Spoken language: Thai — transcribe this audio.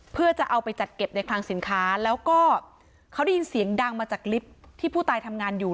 เพื่อจะเอาไปจัดเก็บในคลังสินค้าแล้วก็เขาได้ยินเสียงดังมาจากลิฟท์ที่ผู้ตายทำงานอยู่